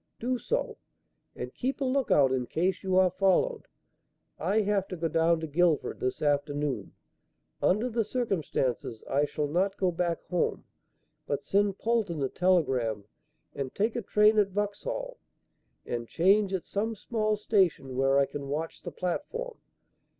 Do so; and keep a look out in case you are followed. I have to go down to Guildford this afternoon. Under the circumstances, I shall not go back home, but send Polton a telegram and take a train at Vauxhall and change at some small station where I can watch the platform.